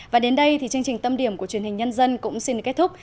và đến đây thì chương trình tâm điểm của truyền hình nhân dân cũng xin kết thúc